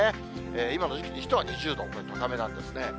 今の時期にしては２０度、これ、高めなんですね。